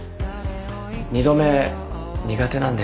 二度目苦手なんで。